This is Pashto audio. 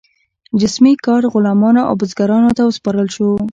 جسمي کار غلامانو او بزګرانو ته وسپارل شو.